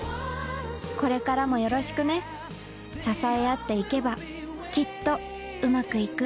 これからもよろしくね支え合って行けばきっとウマくいく